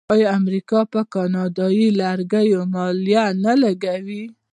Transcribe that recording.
آیا امریکا پر کاناډایی لرګیو مالیه نه لګوي؟